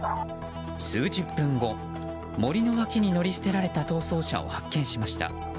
数十分後、森の脇に乗り捨てられた逃走車を発見しました。